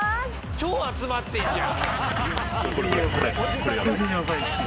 超集まってるじゃん！